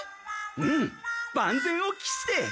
うん万全を期して！